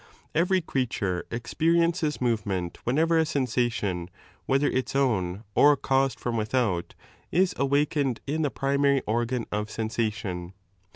Every 18 t creature experiences movement whenever a sensation, r whether its own or caused from without, is awakened in I the primary organ of sensation.'